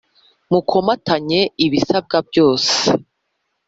Mukomatanye ibisabwa byose.